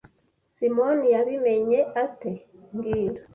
Simoni yabimenye ate mbwira